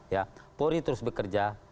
ya polri terus bekerja